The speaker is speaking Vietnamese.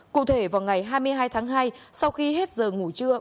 cụ thể vào ngày hai mươi hai tháng hai sau khi hết giờ ngủ trưa